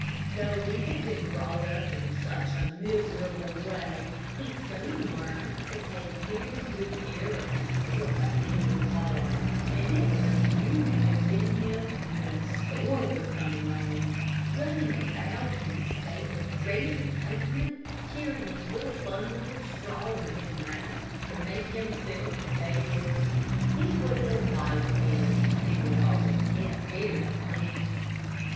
Though he had been brought up in such a miserable way, he soon learned to take very good care of himself at Dingley Farm, and it was amusing to see him when a storm was coming on, running about in a state of great excitement carrying little bundles of straw in his mouth to make himself a bed. He was a white pig, and was always kept very clean.